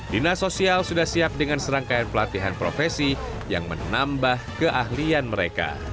dinas sosial sudah siap dengan serangkaian pelatihan profesi yang menambah keahlian mereka